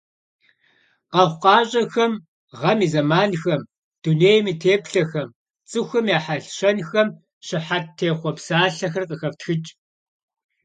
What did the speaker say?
Къэхъукъащӏэхэм, гъэм и зэманхэм, дунейм и теплъэхэм, цӏыхухэм я хьэлщэнхэм щыхьэт техъуэ псалъэхэр къыхэфтхыкӏ.